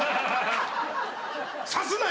さすなよ！